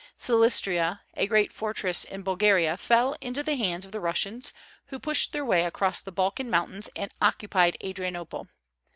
Silistria, a great fortress in Bulgaria, fell into the hands of the Russians, who pushed their way across the Balkan mountains and occupied Adrianople.